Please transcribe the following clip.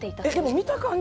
見た感じ